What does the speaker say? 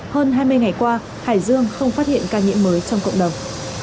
hơn hai mươi ngày qua hải dương không phát hiện ca nhiễm mới trong cộng đồng